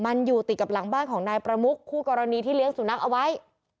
มันอยู่ติดกับหลังบ้านของนายประมุกคู่กรณีที่เลี้ยงสุนัขเอาไว้